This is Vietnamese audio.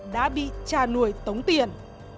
đã bị cha nuôi tống tiền